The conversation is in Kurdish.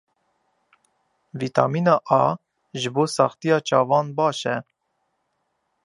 Vîtamîna A ji bo saxtiya çavan baş e.